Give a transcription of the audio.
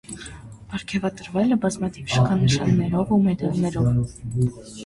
Պարգևատրվել է բազմաթիվ շքանշաններով ու մեդալներով։